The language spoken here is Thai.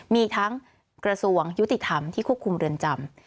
มีทั้งกระทรวงยุติธรรมที่ควบคุมเรือนจำ